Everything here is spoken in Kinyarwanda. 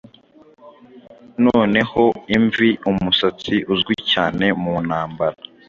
Noneho imvi-umusatsiuzwi cyane mu ntambara